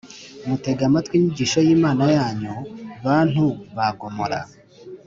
mutege amatwi inyigisho y’Imana yanyu, bantu ba Gomora !